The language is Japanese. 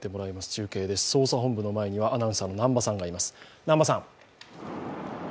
中継です、捜査本部の前にはアナウンサーの南波さんがいます。